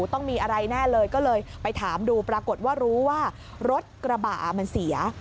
ต้องมีอะไรแน่เลยก็เลยไปถามดูปรากฏว่ารู้ว่ารถกระบะมันเสีย